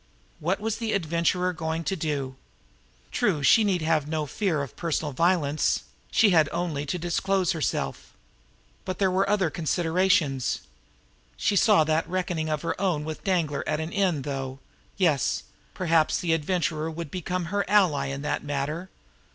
What was the Adventurer going to do? True, she need have no fear of personal violence she had only to disclose herself. But but there were other considerations. She saw that reckoning of her own with Danglar at an end, though yes! perhaps the Adventurer would become her ally in that matter.